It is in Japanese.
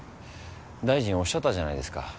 大臣おっしゃったじゃないですか。